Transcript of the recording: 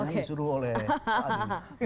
yang disuruh oleh pak anies